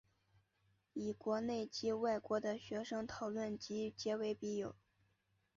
与国内及外国的学生讨论及结为笔友。